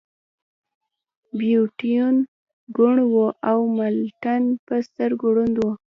بیتووین کوڼ و او ملټن په سترګو ړوند و